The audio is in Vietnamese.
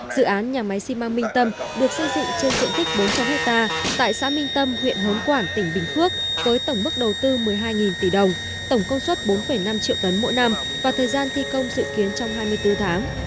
dự án nhà máy xi măng minh tâm được xây dựng trên diện tích bốn trăm linh hectare tại xã minh tâm huyện hốn quản tỉnh bình phước với tổng mức đầu tư một mươi hai tỷ đồng tổng công suất bốn năm triệu tấn mỗi năm và thời gian thi công dự kiến trong hai mươi bốn tháng